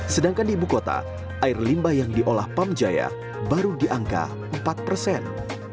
sedangkan di ibu kota air limbah yang diolah pamjaya baru di angka empat persen